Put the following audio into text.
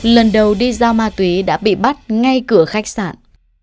lần đầu đi giao ma túy đã bị bắt ngay cửa khách sạn